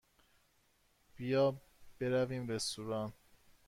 بیا برویم رستوران.